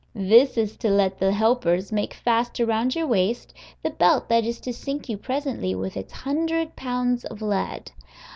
This is to let the helpers make fast around your waist the belt that is to sink you presently with its hundred pounds of lead.